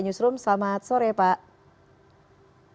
justrum selamat sore pak